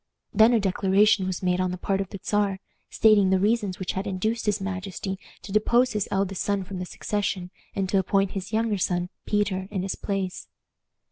Then a declaration was made on the part of the Czar, stating the reasons which had induced his majesty to depose his eldest son from the succession, and to appoint his younger son, Peter, in his place.